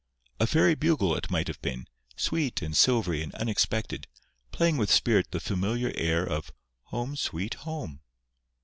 A fairy bugle it might have been, sweet and silvery and unexpected, playing with spirit the familiar air of "Home, Sweet Home."